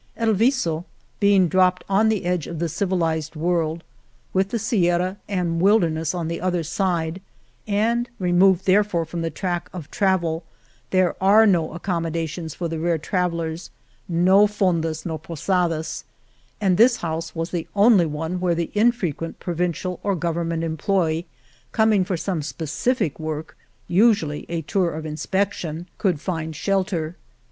El Viso being dropped on the edge of the civilized world, with the Sierra and wilder ness on the other side, and removed therefore from the track of travel, there are no accom modations for the rare travellers — no fondas nor posadas — and this house was the only one where the infrequent provincial or gov ernment employee coming for some specific work — usually a tour of inspection — could 184 157S 1/Rit«p The Morena find shelter.